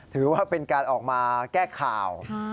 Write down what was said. ถือว่าเป็นการออกมาแก้ข่าว